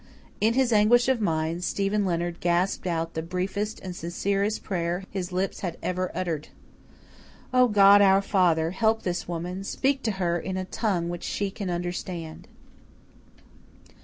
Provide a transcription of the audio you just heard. In his anguish of mind Stephen Leonard gasped out the briefest and sincerest prayer his lips had ever uttered. "O, God, our Father! Help this woman. Speak to her in a tongue which she can understand."